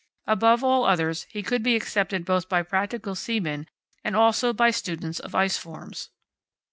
Above all others he could be accepted both by practical seamen and also by students of ice forms.